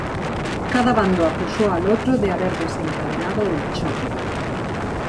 Cada bando acusó al otro de haber desencadenado el choque.